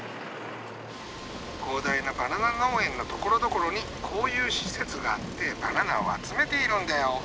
広大なバナナ農園のところどころにこういう施設があってバナナを集めているんだよ。